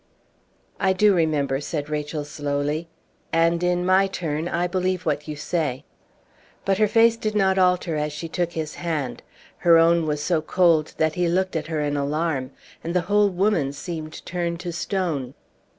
"I do remember," said Rachel, slowly; "and, in my turn, I believe what you say." But her face did not alter as she took his hand; her own was so cold that he looked at her in alarm; and the whole woman seemed turned to stone.